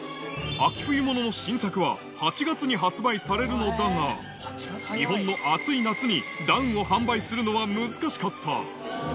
秋冬物の新作は８月に発売されるのだが、日本の暑い夏にダウンを販売するのは難しかった。